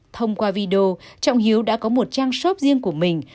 thông qua video trọng hiếu đã có một trang shop riêng của mình